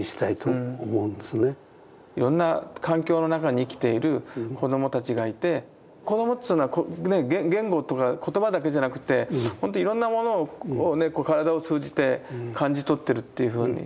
いろんな環境の中に生きている子どもたちがいて子どもというのは言語とか言葉だけじゃなくていろんなものを体を通じて感じ取ってるっていうふうに。